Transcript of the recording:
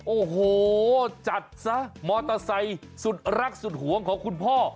โอ้โหจัดซะมอเตอร์ไซค์สุดรักสุดหวงของคุณพ่อ